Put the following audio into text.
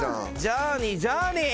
ジャーニージャーニー。